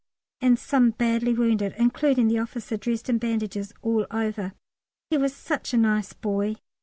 's, and some badly wounded, including the officer dressed in bandages all over. He was such a nice boy.